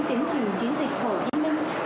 tiến trường chiến dịch hồ chí minh